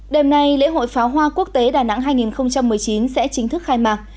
đêm nay lễ hội pháo hoa quốc tế đà nẵng hai nghìn một mươi chín sẽ chính thức khai mạc